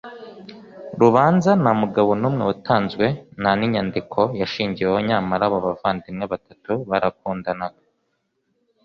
rubanza nta mugabo n umwe watanzwe nta n inyandiko yashingiweho nyamara abo bavandimwe batatu barakundanaga